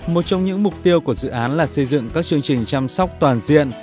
một trong những mục tiêu của dự án là xây dựng các chương trình chăm sóc toàn diện